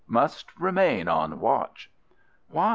"Must remain, on watch." "Why?"